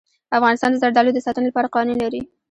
افغانستان د زردالو د ساتنې لپاره قوانین لري.